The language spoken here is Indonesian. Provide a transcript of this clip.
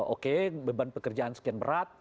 oke beban pekerjaan sekian berat